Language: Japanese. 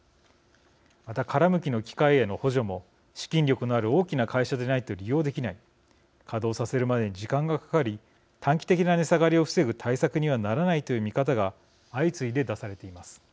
また殻むきの機械への補助も資金力のある大きな会社でないと利用できない稼働させるまでに時間がかかり短期的な値下がりを防ぐ対策にはならないという見方が相次いで出されています。